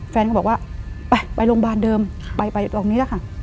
แฟนก็บอกว่าไปไปโรงพยาบาลเดิมไปไปตรงนี้แหละค่ะ